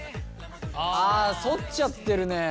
あ反っちゃってるね。